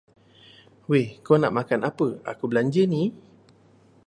Wei, kau nak makan apa aku belanja ni.